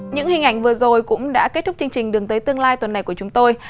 những hình ảnh vừa rồi cũng đã kết thúc chương trình đường tới tương lai tuần này của chúng tôi